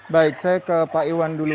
baik saya ke pak iwan dulu